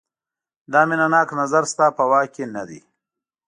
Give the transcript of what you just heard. دا مینه ناک نظر ستا په واک کې نه دی.